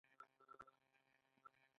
د خدای یاد د زړه درمل دی.